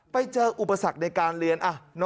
ไปเจออุปสรรคในการเรียน